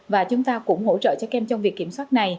và chúng ta cũng hỗ trợ cho các em trong việc kiểm soát này